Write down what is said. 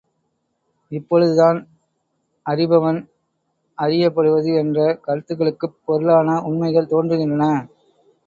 இப்பொழுதுதான் அறிபவன், அறியப்படுவது என்ற கருத்துக்களுக்குப் பொருளான உண்மைகள் தோன்றுகின்றன.